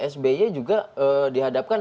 sby juga dihadapkan